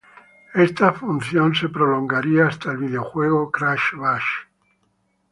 Esta función se prolongaría hasta el videojuego "Crash Bash".